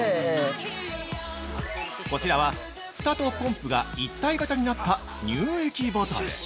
◆こちらは、ふたとポンプが一体型になった乳液ボトル。